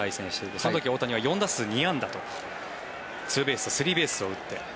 その時大谷は４打数２安打とツーベースとスリーベースを打って。